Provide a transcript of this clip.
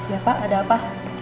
ya pak ada apa